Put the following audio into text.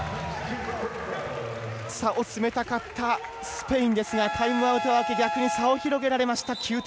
差を詰めたかったスペインですがタイムアウト明け逆に差を広げられました。